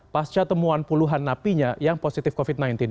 pasca temuan puluhan napinya yang positif covid sembilan belas